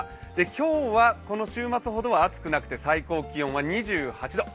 今日はこの週末ほどは暑くなくて、最高気温は２８度。